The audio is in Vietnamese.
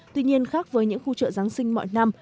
tuy nhiên khác với những khu chợ giáng sinh mọi năm